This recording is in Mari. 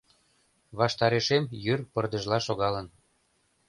Ваштарешем йӱр пырдыжла шогалын.